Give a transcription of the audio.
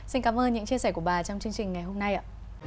xin cảm ơn những chia sẻ của bà trong chương trình ngày hôm nay ạ